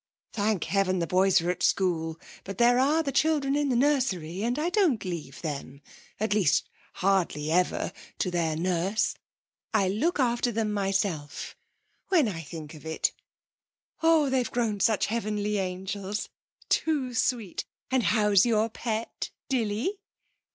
Thank heaven the boys are at school, but there are the children in the nursery, and I don't leave them at least hardly ever to their nurse. I look after them myself when I think of it. Oh, they've grown such heavenly angels too sweet! And how's your pet, Dilly?'